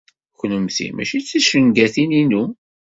Kennemti mačči d ticengatin-inu.